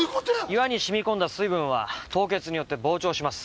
岩に染み込んだ水分は凍結によって膨張します。